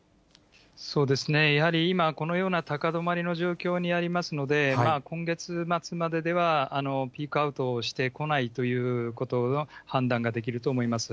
そうですね、やはり今、このような高止まりの状況にありますので、今月末までではピークアウトしてこないということの判断ができると思います。